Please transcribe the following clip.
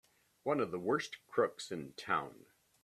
One of the worst crooks in town!